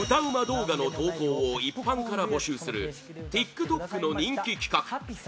動画の投稿を一般から募集するＴｉｋＴｏｋの人気企画